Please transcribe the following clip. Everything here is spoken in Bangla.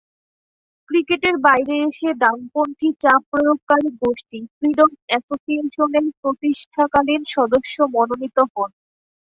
ক্রিকেটের বাইরে এসে ডানপন্থী চাপ প্রয়োগকারী গোষ্ঠী ফ্রিডম অ্যাসোসিয়েশনের প্রতিষ্ঠাকালীন সদস্য মনোনীত হন।